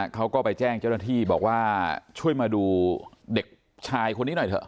เขาก็ไปแจ้งเจ้าหน้าที่บอกว่าช่วยมาดูเด็กชายคนนี้หน่อยเถอ